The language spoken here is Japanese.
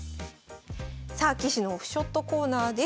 さあ棋士のオフショットコーナーです。